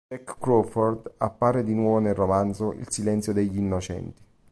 Jack Crawford appare di nuovo nel romanzo "Il silenzio degli innocenti".